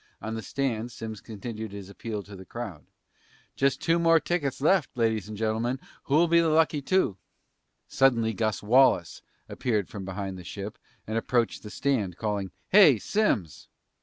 On the stand, Simms continued his appeal to the crowd. "Just two more tickets left, ladies and gentlemen! Who'll be the lucky two?" Suddenly Gus Wallace appeared from behind the ship and approached the stand, calling, "Hey, Simms!"